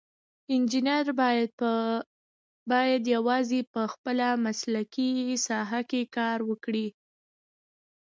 انجینر باید یوازې په خپله مسلکي ساحه کې کار وکړي.